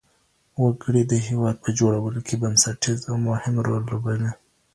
وګړي د هېواد په جوړولو کي بنسټيز او مهم رول لري.